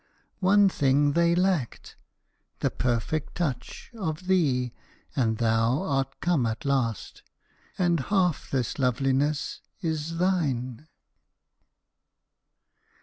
One thing they lacked: the perfect touch Of thee and thou art come at last, And half this loveliness is thine.